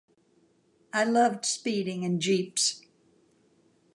I loved speeding in jeeps.